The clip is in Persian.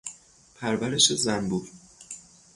پرورش زنبور